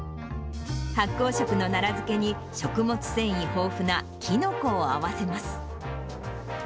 発酵食の奈良漬けに、食物繊維豊富なきのこを合わせます。